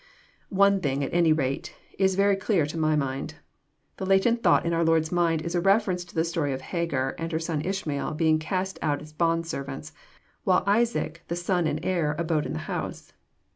One thing, at any rate, is very clear to my mind. The latent thought in our Lord's mind is a reference to the story of Hagar and her son Ishmael being cast out as bond servants, while Isaac the son and heir abode in the house.